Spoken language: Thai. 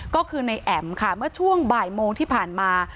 ก็คือในแอ๋มค่ะเมื่อช่วงบ่ายโมงที่ผ่านมา